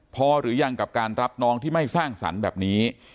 พอหรือยังกับการรับน้องที่ไม่สร้างสรรค์แบบนี้